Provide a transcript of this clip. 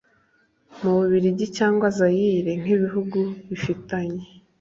mu bubiligi, cyangwa zayire, nk'ibihugu bifitanye